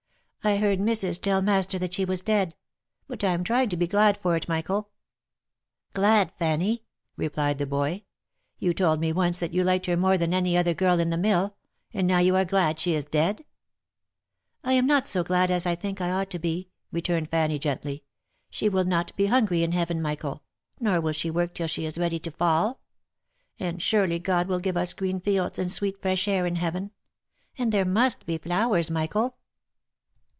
" I heard missis tell master that she was dead. But I am trying to be glad for it Michael." " Glad, Fanny?" replied the boy, "you told me once that you OF MICHAEL ARMSTRONG. 213 liked her more than any other girl in the mill, and now you are glad she is dead !"" I am not so glad as I think I ought to be," returned Fanny gently. " She will not be hungry in Heaven, Michael, nor will she work till she is ready to fall : and surely God will give us green fields and sweet fresh air in Heaven, and there must be flowers, Michael.